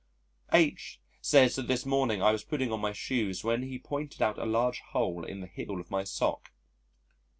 H says that this morning I was putting on my shoes when he pointed out a large hole in the heel of my sock.